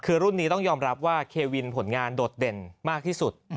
คือรุ่นนี้ต้องยอมรับว่าเควินผลงานโดดเด่นมากที่สุด